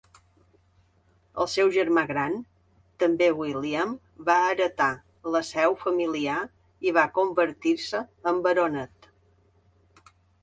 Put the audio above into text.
El seu germà gran, també William va heretà la seu familiar i va convertir-se en baronet.